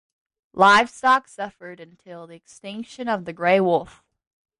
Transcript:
Livestock suffered until the extinction of the grey wolf.